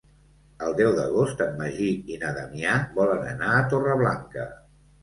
El deu d'agost en Magí i na Damià volen anar a Torreblanca.